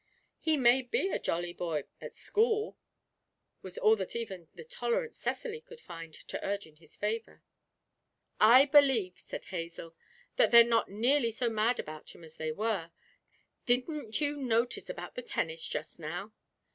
'He may be a jolly boy at school,' was all that even the tolerant Cecily could find to urge in his favour. 'I believe,' said Hazel, 'that they're not nearly so mad about him as they were didn't you notice about the tennis just now?'